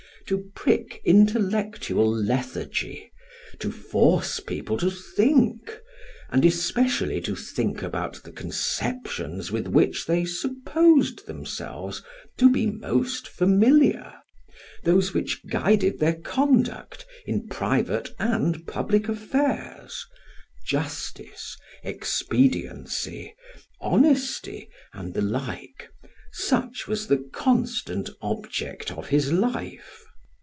To prick intellectual lethargy, to force people to think, and especially to think about the conceptions with which they supposed themselves to be most familiar, those which guided their conduct in private and public affairs justice expediency, honesty, and the like such was the constant object of his life.